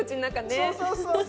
そうそうそう。